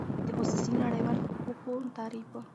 د خصوصی نړیوالو حقوقو تعریف :